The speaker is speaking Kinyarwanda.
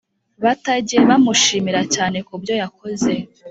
batajye bamushimira cyane kubyoyakoze